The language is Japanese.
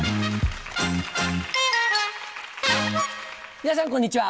皆さんこんにちは。